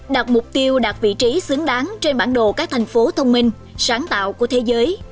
đạt mục tiêu đạt vị trí xứng đáng trên bản đồ các thành phố thông minh sáng tạo của thế giới